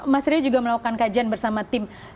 mas ria juga melakukan kajian bersama tim